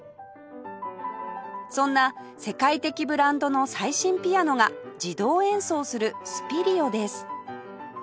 そんな世界的ブランドの最新ピアノが自動演奏するスピリオです